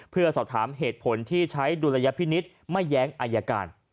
เพื่อสอบถามเหตุผลที่ใช้ดุลยพินิษฐ์ไม่แย้งอายการ